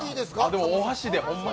でもお箸で、ホンマや。